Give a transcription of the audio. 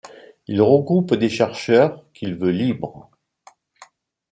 Il regroupe des chercheurs qu’il veut libres.